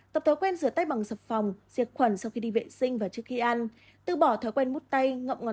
tập thói quen rửa tay bằng sập phòng diệt khuẩn sau khi đi vệ sinh và trước khi ăn